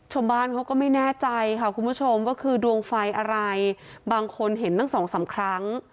ชาวบ้านเขาก็ไม่แน่ใจค่ะคุณผู้ชมว่าคือดวงไฟอะไรบางคนเห็นตั้งสองสามครั้ง